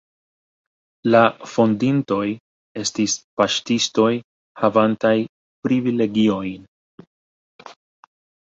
La fondintoj estis paŝtistoj havantaj privilegiojn.